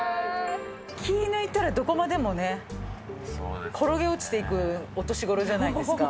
気抜いたらどこまでもね、転げ落ちていくお年頃じゃないですか。